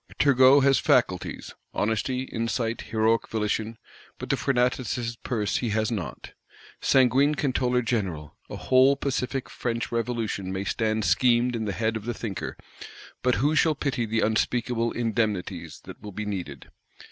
Turgot has faculties; honesty, insight, heroic volition; but the Fortunatus' Purse he has not. Sanguine Controller General! a whole pacific French Revolution may stand schemed in the head of the thinker; but who shall pay the unspeakable "indemnities" that will be needed?